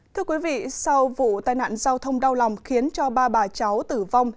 thưa quý vị sau vụ tai nạn giao thông đau lòng khiến cho ba bà cháu tử vong